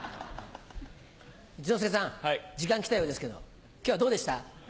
一之輔さん時間来たようですけど今日はどうでした？